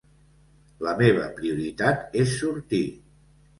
La meva prioritat és sortir.